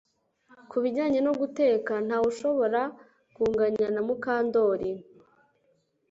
Ku bijyanye no guteka ntawe ushobora kunganya na Mukandoli